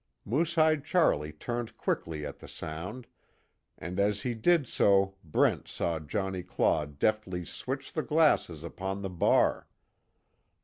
Moosehide Charlie turned quickly at the sound, and as he did so Brent saw Johnnie Claw deftly switch the glasses upon the bar.